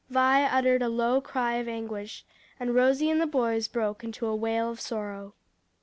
Vi uttered a low cry of anguish; and Rosie and the boys broke into a wail of sorrow.